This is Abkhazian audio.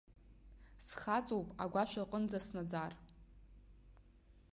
Схаҵоуп агәашә аҟынӡа снаӡар.